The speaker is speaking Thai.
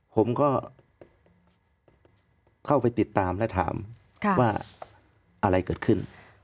ผมก็เข้าไปติดตามและถามว่าอะไรเกิดขึ้น